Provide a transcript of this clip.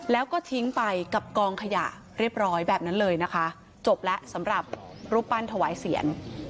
แล้วก็ทิ้งไปกับกองขยะเรียบร้อยแบบนั้นเลยนะคะจบแล้วสำหรับรูปปั้นถวายเสียง